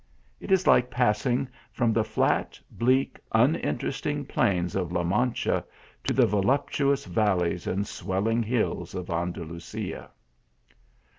It is like passing from the flat, bleak, uninteresting plains of La Mancha to the voluptuous valleys and swelling hills of Andalusia.